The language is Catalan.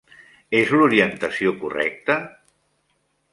És l'orientació correcta?